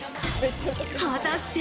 果たして？